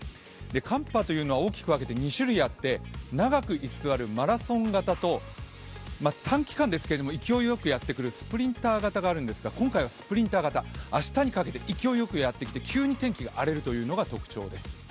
寒波というのは大きく分けて２種類あって長く居すわるマラソン型と短期間ですけれども勢いよくやってくるスプリンター型がありますが今回はスプリンター型明日にかけて、勢いよくやってきて急に天気が荒れるのが特徴です。